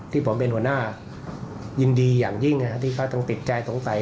ที่ผมเป็นหัวหน้ายินดีอย่างยิ่งที่เขาต้องติดใจสงสัย